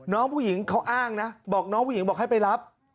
น้องผู้หญิงเขาอ้างนะบอกน้องผู้หญิงบอกให้ไปรับ